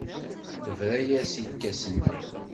Tebra-as i lkas-nni.